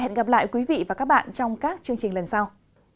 hẹn gặp lại quý vị và các bạn trong các chương trình lần sau